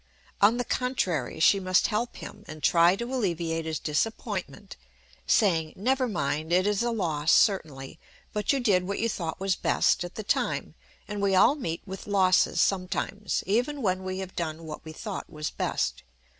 On the contrary, she must help him, and try to alleviate his disappointment, saying, "Never mind. It is a loss, certainly. But you did what you thought was best at the time, and we all meet with losses sometimes, even when we have done what we thought was best.